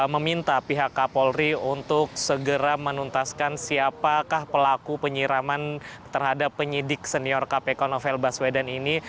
meminta pihak kapolri untuk segera menuntaskan siapakah pelaku penyiraman terhadap penyidik senior kpk novel baswedan ini